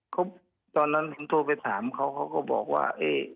เขาตอนนั้นผมโทรไปถามเขาเขาก็บอกว่า